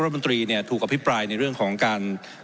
ผมจะขออนุญาตให้ท่านอาจารย์วิทยุซึ่งรู้เรื่องกฎหมายดีเป็นผู้ชี้แจงนะครับ